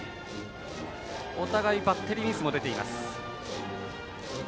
お互い、バッテリーミスも出ています。